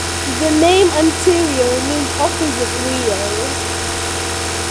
The name Antirrio means "opposite Rio".